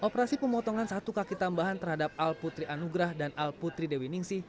operasi pemotongan satu kaki tambahan terhadap al putri anugrah dan al putri dewi ningsi